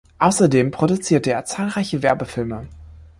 Außerdem produzierte er zahlreiche Werbefilme.